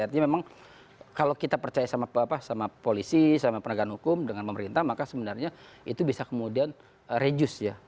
artinya memang kalau kita percaya sama polisi sama penegakan hukum dengan pemerintah maka sebenarnya itu bisa kemudian reduce ya